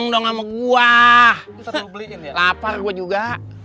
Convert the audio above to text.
lapar gua juga